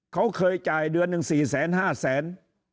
เขาเคยจ่ายเดือนหนึ่ง๔๕แสน